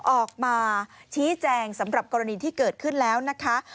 ออกมาชี้แจงสำหรับกรณีที่เกิดขึ้นแล้วนะคะ